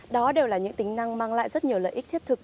đó đều là những tính năng mang lại rất nhiều lợi ích thiết thực